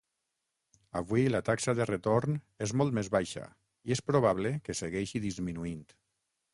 Avui la taxa de retorn és molt més baixa i és probable que segueixi disminuint.